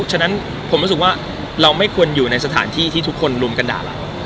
ฉะนั้นผมรู้สึกว่าเราไม่ควรอยู่ในสถานที่ที่ทุกคนลุมกันด่าเรา